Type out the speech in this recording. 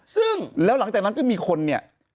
ซึ่งแล้วหลังจากนั้นก็มีคนเนี่ย